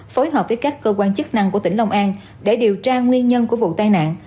phối hợp với các cơ quan chức năng của tỉnh long an để điều tra nguyên nhân của vụ tai nạn